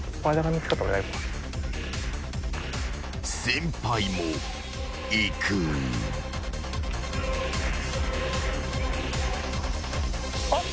［先輩も行く］あっ！